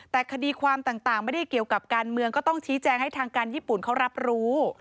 แต่คดีความต่างไม่ได้เกี่ยวกับการเมืองก็ต้องชี้แจงให้ทางการญี่ปุ่นเขารับรู้